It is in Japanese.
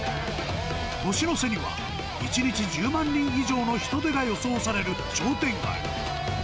年の瀬には、１日１０万人以上の人出が予想される商店街。